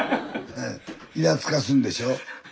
ねえいらつかすんでしょ？